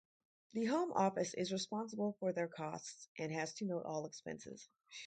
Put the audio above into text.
The Home Office is responsible for their costs, and has to note all expenses.